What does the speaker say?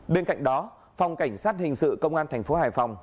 bên cạnh đó phòng cảnh sát hình sự công an tp hải phòng